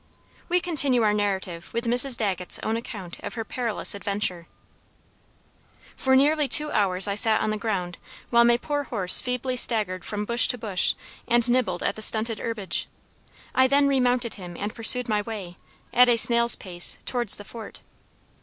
We continue our narrative with Mrs. Dagget's own account of her perilous adventure: "For nearly two hours I sat on the ground, while my poor horse feebly staggered from bush to bush, and nibbled at the stunted herbage. I then remounted him and pursued my way, at a snail's pace, towards the Fort.